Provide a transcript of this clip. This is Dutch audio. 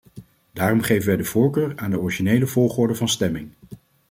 Daarom geven wij de voorkeur aan de originele volgorde van stemming.